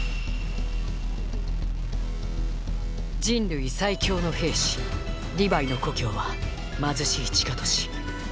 人類最強の兵士リヴァイの故郷は貧しい地下都市。